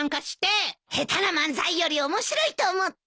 下手な漫才より面白いと思って。